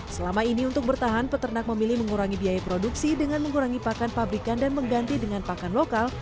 selama ini untuk bertahan peternak memilih mengurangi biaya produksi dengan mengurangi pakan pabrikan dan mengganti dengan pakan lokal